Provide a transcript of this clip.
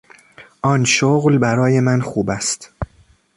آن شغل برای من خوب است.